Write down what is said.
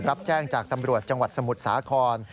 รับแจ้งจากตำรวจจังหวัดสมุทรสาคร